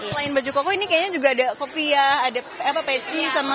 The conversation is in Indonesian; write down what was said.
selain baju koko ini kayaknya juga ada kopiah ada peci sama